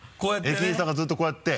駅員さんがずっとこうやって。